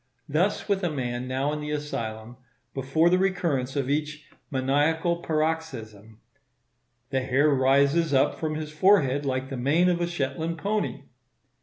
Thus with a man now in the Asylum, before the recurrence of each maniacal paroxysm, "the hair rises up from his forehead like the mane of a Shetland pony."